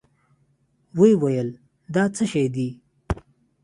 ويې ويل دا څه شې دي؟